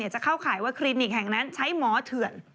จะเข้าข่ายว่าคลินิกแห่งนั้นใช้หมอเถื่อน